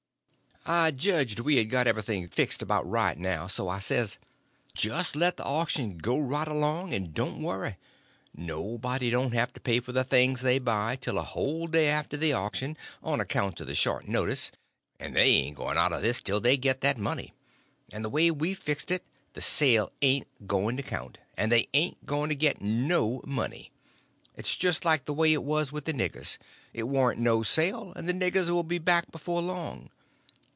I judged we had got everything fixed about right now. So I says: "Just let the auction go right along, and don't worry. Nobody don't have to pay for the things they buy till a whole day after the auction on accounts of the short notice, and they ain't going out of this till they get that money; and the way we've fixed it the sale ain't going to count, and they ain't going to get no money. It's just like the way it was with the niggers—it warn't no sale, and the niggers will be back before long.